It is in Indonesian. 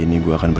dia butuh kamu